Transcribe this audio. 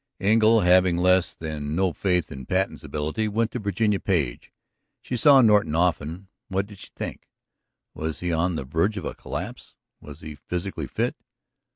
Engle, having less than no faith in Patten's ability, went to Virginia Page. She saw Norton often; what did she think? Was he on the verge of a collapse? Was he physically fit?